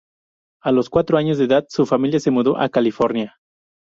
A los cuatro años de edad, su familia se mudó a California.